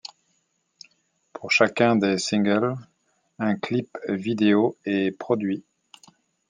Pour chacun des singles, un clip vidéo est produit.